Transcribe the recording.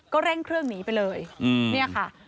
เร่งเครื่องหนีไปเลยเนี่ยค่ะ